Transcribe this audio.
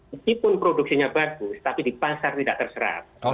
meskipun produksinya bagus tapi di pasar tidak terserap